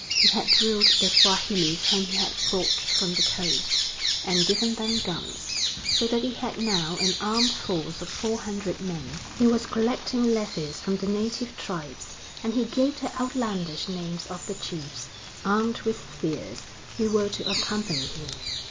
He had drilled the Swahilis whom he had brought from the coast, and given them guns, so that he had now an armed force of four hundred men. He was collecting levies from the native tribes, and he gave the outlandish names of the chiefs, armed with spears, who were to accompany him.